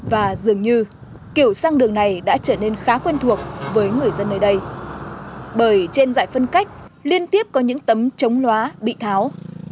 và dường như kiểu sang đường này đã trở nên khá quen thuộc với người dân nơi đây bởi trên giải phân cách liên tiếp có những tấm chống loá bị tháo